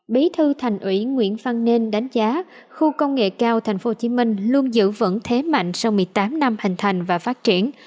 bí thư thành ủy nguyễn văn nên đánh giá khu công nghệ cao tp hcm luôn giữ vững thế mạnh sau một mươi tám năm hình thành và phát triển